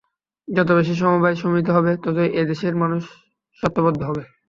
যত বেশি সমবায় সমিতি হবে, ততই এই দেশের মানুষ সত্যবদ্ধ হবে।